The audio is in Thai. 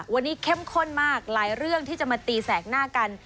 วันนี้เข้มข้นมากหลายเรื่องที่จะมาตีแสกหน้ากัน